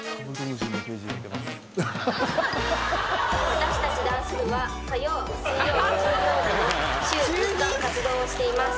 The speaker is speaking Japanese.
「私たちダンス部は火曜水曜金曜日の週３日」「活動をしています」